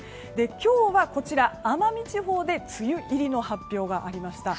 今日は奄美地方で梅雨入りの発表がありました。